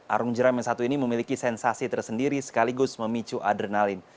arung jeram yang satu ini memiliki sensasi tersendiri sekaligus memicu adrenalin